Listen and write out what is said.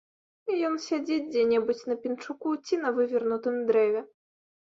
Ён сядзіць дзе-небудзь на пенчуку ці на вывернутым дрэве.